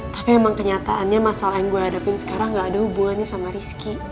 tapi emang kenyataannya masalah yang gue hadapin sekarang gak ada hubungannya sama rizky